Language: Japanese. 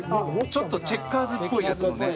ちょっとチェッカーズっぽいやつのね。